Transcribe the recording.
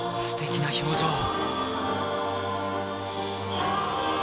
すてきな表情。